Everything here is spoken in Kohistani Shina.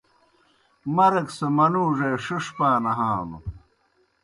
مرگ سہ منُوڙے ݜِݜ پاں نہانوْ۔